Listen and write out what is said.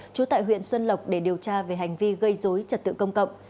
trú tại huyện xuân lộc để điều tra về hành vi gây dối trật tự công cộng